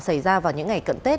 xảy ra vào những ngày cận tết